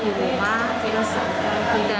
itu yang sedang